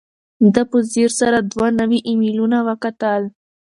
ده په ځیر سره دوه نوي ایمیلونه وکتل.